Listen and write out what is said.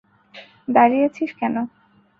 দাঁড়িয়ে আছিস কেনো?